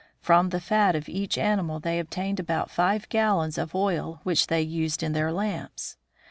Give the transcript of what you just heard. From the fat of each animal they obtained about five gallons of oil, which they used in their lamps.